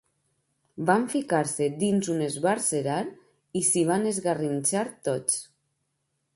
Van ficar-se dins un esbarzerar i s'hi van esgarrinxar tots.